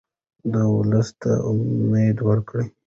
دی ولس ته امید ورکوي.